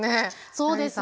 そうですね。